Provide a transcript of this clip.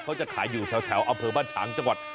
เขาจะขายอยู่แถวอำเภอบ้านฉางจังหวัด